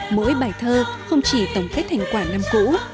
mỗi bài thơ không chỉ tổng kết thành quả năm cũ